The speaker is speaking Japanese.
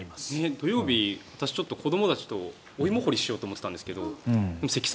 土曜日私、ちょっと子どもたちとお芋ほりをしようと思ってたんですけど積算